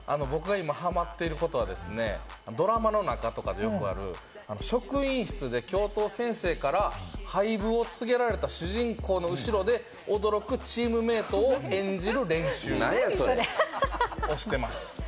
僕が今ハマっていることは、ドラマの中とかでよくある職員室で教頭先生から廃部を告げられた主人公の後ろで驚くチームメートを演じる練習。